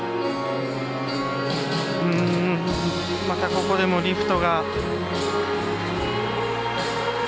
また、ここでもリフトが。